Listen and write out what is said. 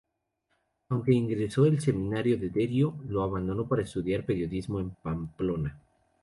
Aunque ingresó en el seminario de Derio, lo abandonó para estudiar periodismo en Pamplona.